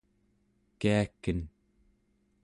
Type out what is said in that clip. kiaken